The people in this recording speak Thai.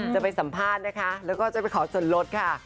จะไปสัมภาษณ์นะคะแล้วก็จะไปขอส่วนลดค่ะ